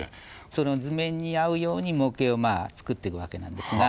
その図面に合うように模型を作っていくわけなんですが。